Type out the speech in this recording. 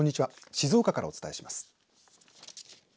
静岡からお伝えします。